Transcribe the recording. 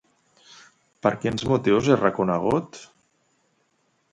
Per quins motius és reconegut?